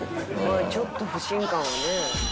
ちょっと不信感はね。